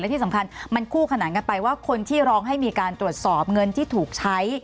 ที่สำคัญมันคู่ขนานกันไปว่าคนที่ร้องให้มีการตรวจสอบเงินที่ถูกใช้